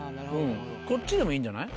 こっちでもいいんじゃない？